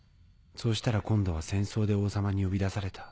そしたら今度は戦争で王様に呼び出された。